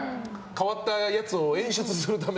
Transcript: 変わったやつを演出するための。